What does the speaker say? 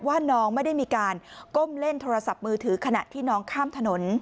ว่าน้องไม่ได้มีการก้มเล่นโทรศัพท์มือถือขณะที่น้องข้ามถนน